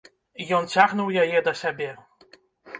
Ён цягнуў яе да сябе.